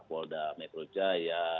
polda metro jaya